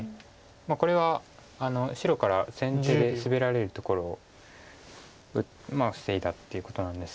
これは白から先手でスベられるところを防いだっていうことなんですけど。